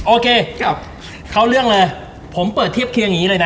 โอเคเข้าเรื่องเลยผมเปิดเทียบเคียงนี้เลยนะ